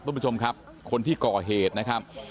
คุณผู้ชมครับคนที่ก่อเหตุนะครับ